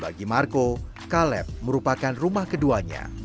bagi marco kaleb merupakan rumah keduanya